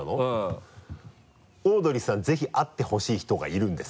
「オードリーさん、ぜひ会ってほしい人がいるんです。」